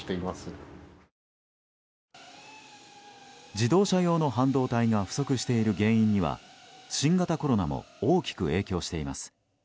自動車用の半導体が不足している原因には新型コロナも大きく影響しています。